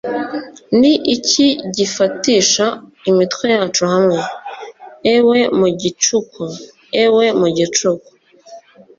ni iki gifatisha imitwe yacu hamwe? ewe mu gicuku! ewe mu gicuku